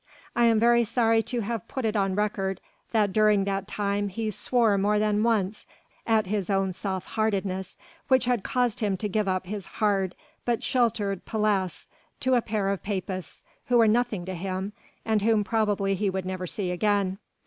I am very sorry to have to put it on record that during that time he swore more than once at his own softheartedness which had caused him to give up his hard but sheltered paillasse to a pair of Papists who were nothing to him and whom probably he would never see again.